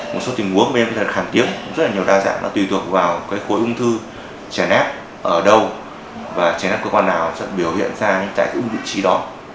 một số tình huống bên bên khẳng tiến rất nhiều đa dạng tùy thuộc vào khối ung thư trẻ nép ở đâu và trẻ nép cơ quan nào sẽ biểu hiện ra tại cái ung thư trí đó